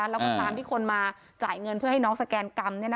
แล้วก็ตามที่คนมาจ่ายเงินเพื่อให้น้องสแกนกรรม